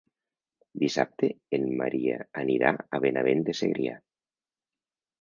Dissabte en Maria anirà a Benavent de Segrià.